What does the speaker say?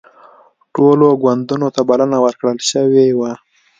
ټولو ګوندونو ته بلنه ورکړل شوې وه